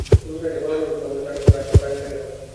হিন্দুরা যে বড় বড় কথা বলে, তার সঙ্গে আসল কাজ দেখাতে হবে।